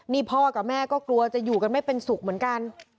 นี่พ่อกับแม่ก็กลัวจะอยู่กันไม่เป็นสุขเหมือนกัน